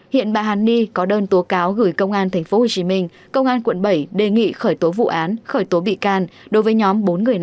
hiện bà hằng ni có đơn tố cáo gửi công an tp hcm